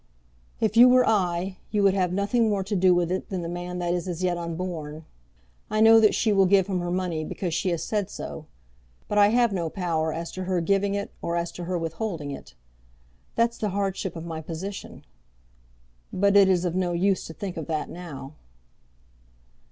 "If you were I, you would have nothing more to do with it than the man that is as yet unborn. I know that she will give him her money because she has said so; but I have no power as to her giving it or as to her withholding it. That's the hardship of my position; but it is of no use to think of that now."